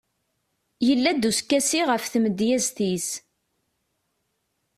yella-d uskasi ɣef tmedyazt-is